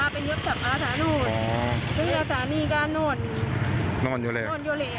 อ๋อเที่ยวเขาลม